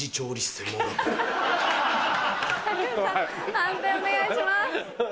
判定お願いします。